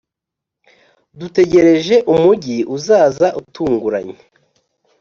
dutegereje umugi uzaza utunguranye